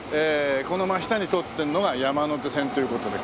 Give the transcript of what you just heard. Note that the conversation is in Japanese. この真下に通ってるのが山手線という事で。